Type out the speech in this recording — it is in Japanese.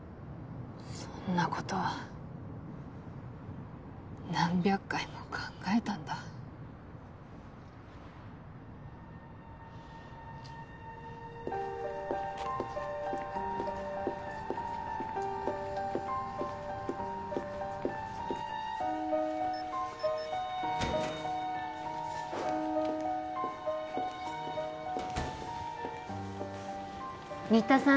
そんなことは何百回も考えたんだ新田さん